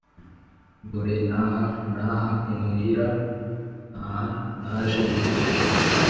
dore n’aha n’aha imuhira n’aha naje mvuye